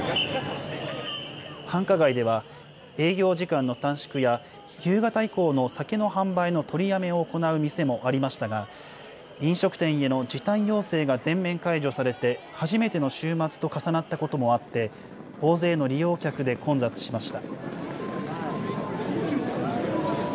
繁華街では、営業時間の短縮や夕方以降の酒の販売の取りやめを行う店もありましたが、飲食店への時短要請が全面解除されて初めての週末と重なったこともあって、大勢の利用客で混雑しました。